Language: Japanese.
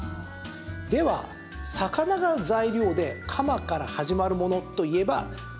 では、魚が材料で「かま」から始まるものといえば？